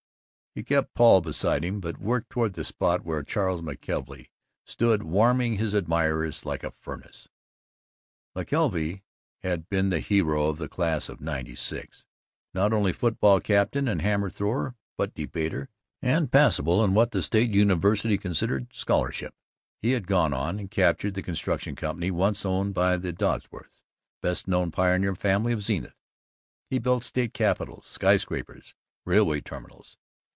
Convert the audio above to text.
He kept Paul beside him, but worked toward the spot where Charles McKelvey stood warming his admirers like a furnace. McKelvey had been the hero of the Class of '96; not only football captain and hammer thrower but debater, and passable in what the State University considered scholarship. He had gone on, had captured the construction company once owned by the Dodsworths, best known pioneer family of Zenith. He built state capitols, skyscrapers, railway terminals.